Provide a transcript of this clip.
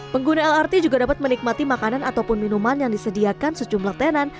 pengguna lrt juga dapat menikmati makanan ataupun minuman yang disediakan sejumlah tenan